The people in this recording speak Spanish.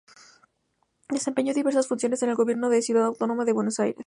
Desempeñó diversas funciones en el Gobierno de la Ciudad Autónoma de Buenos Aires.